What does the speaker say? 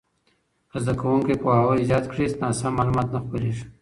که زده کوونکي پوهاوی زیات کړي، ناسم معلومات نه خپرېږي.